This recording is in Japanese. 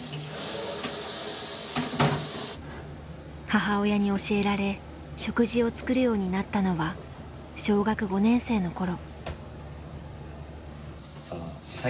母親に教えられ食事を作るようになったのは小学５年生の頃。